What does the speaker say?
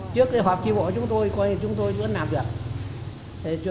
trước thì họp tri bộ chúng tôi quay chúng tôi vẫn làm được